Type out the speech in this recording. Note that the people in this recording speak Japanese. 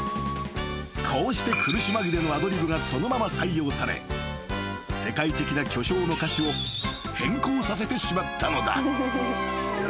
［こうして苦し紛れのアドリブがそのまま採用され世界的な巨匠の歌詞を変更させてしまったのだ］